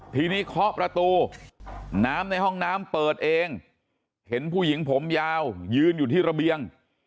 ทีนี้เคาะประตูน้ำในห้องน้ำเปิดเองเห็นผู้หญิงผมยาวยืนอยู่ที่ระเบียง